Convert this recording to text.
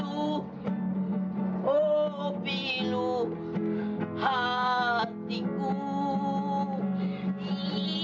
untuk membaikan apapun